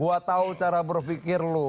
gue tahu cara berpikir lo